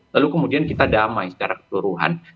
lalu kemudian kita damai secara keseluruhan